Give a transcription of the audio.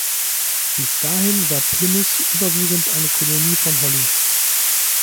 Bis dahin war Plymouth überwiegend eine Kolonie von Hollis.